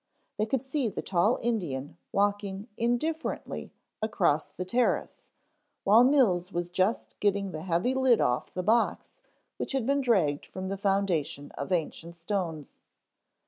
They could see the tall Indian walking indifferently across the terrace while Mills was just getting the heavy lid off the box which had been dragged from the foundation of ancient stones.